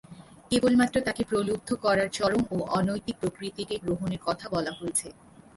কেবলমাত্র তাকে প্রলুব্ধ করার চরম ও অনৈতিক প্রকৃতিকে গ্রহণের কথা বলা হয়েছে।